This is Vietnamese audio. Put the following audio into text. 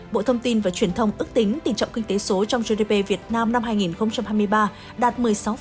bộ thông tin và truyền thông ước tính tỷ trọng kinh tế số trong gdp việt nam năm hai nghìn hai mươi ba đạt một mươi sáu